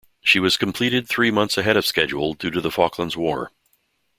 She was completed three months ahead of schedule due to the Falklands War.